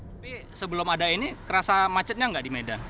tapi sebelum ada ini kerasa macetnya nggak di medan